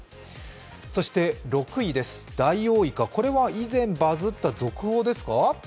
そして６位です、ダイオウイカこれは以前バズった続報ですか？